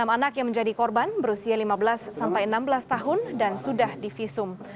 enam anak yang menjadi korban berusia lima belas sampai enam belas tahun dan sudah divisum